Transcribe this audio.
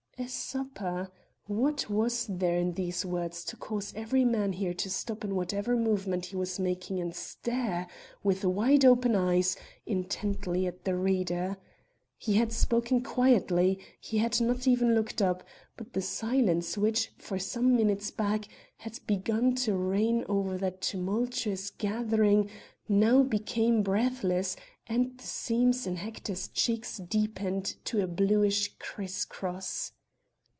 A supper! What was there in these words to cause every man there to stop in whatever movement he was making and stare, with wide open eyes, intently at the reader. He had spoken quietly; he had not even looked up, but the silence which, for some minutes back, had begun to reign over that tumultuous gathering, now became breathless, and the seams in Hector's cheeks deepened to a bluish criss cross.